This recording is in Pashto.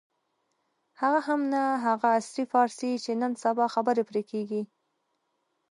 هغه هم نه هغه عصري فارسي چې نن سبا خبرې پرې کېږي.